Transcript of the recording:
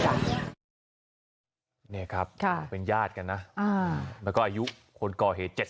ค่ะค่ะนี่ครับค่ะเป็นญาติกันนะอ่าแล้วก็อายุคนก่อเหตุ